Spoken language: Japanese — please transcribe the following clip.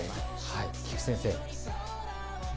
菊地先生。